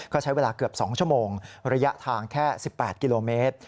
ก็ใช้เวลาเกือบ๒ชั่วโมงระยะทางแค่๑๘กิโลเมตร